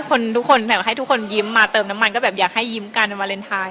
คนทุกคนแบบให้ทุกคนยิ้มมาเติมน้ำมันก็แบบอยากให้ยิ้มกันวันวาเลนไทย